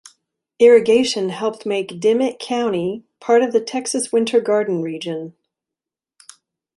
Irrigation helped make Dimmit County part of the Texas Winter Garden Region.